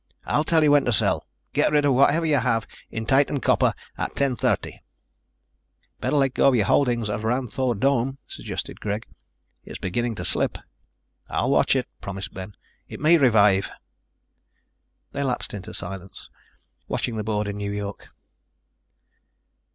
I'll tell you when to sell. Get rid of whatever you have in Titan Copper at 10:30." "Better let go of your holdings of Ranthoor Dome," suggested Greg. "It's beginning to slip." "I'll watch it," promised Ben. "It may revive." They lapsed into silence, watching the board in New York.